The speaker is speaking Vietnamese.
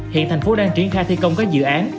hiện thành phố đang triển khai thi công các dự án